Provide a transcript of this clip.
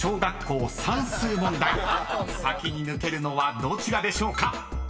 ［先に抜けるのはどちらでしょうか？］